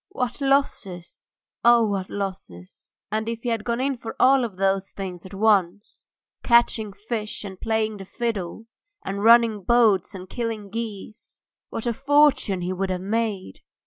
What losses! Ah! What losses! And if he had gone in for all those things at once catching fish and playing the fiddle, and running boats and killing geese what a fortune he would have made!